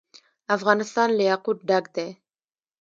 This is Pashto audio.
افغانستان له یاقوت ډک دی.